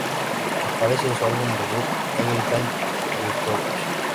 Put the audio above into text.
Aparece en su álbum debut, "Everytime We Touch".